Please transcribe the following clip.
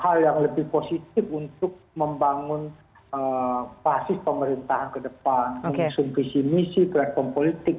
hal yang lebih positif untuk membangun basis pemerintahan ke depan mengusung visi misi platform politik